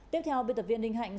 tiếp theo biên tập viên ninh hạnh